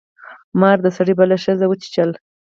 مار د سړي بله ښځه وچیچله.